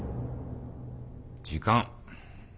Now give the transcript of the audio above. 時間。